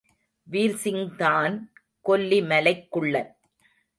வீர்சிங்தான் கொல்லி மலைக்குள்ளன்.